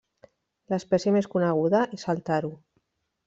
L'espècie més coneguda és el taro.